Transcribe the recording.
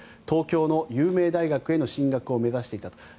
東京の有名大学への進学を目指していたと。